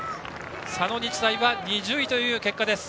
佐野日大は２０位という結果です。